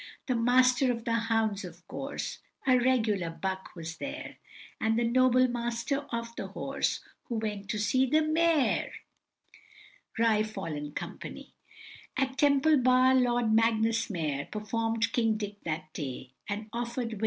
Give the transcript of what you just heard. The Master of the Hounds, of course, (A regular buck) was there, And the noble Master of the Horse, Who went to see the mayor! Ri fol, &c. At Temple Bar, Lord Magnus Mayor, Perform'd King Dick that day, And offer'd Vic.